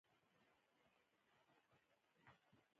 وسله والو نجلۍ ته د پردۍ په سترګه کتل.